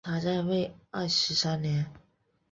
他在位二十三年。